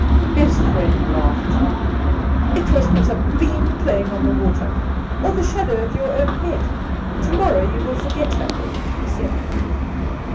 "His friend laughed. "'It was but a beam playing on the water, or the shadow of your own head. Tomorrow you will forget her,' he said.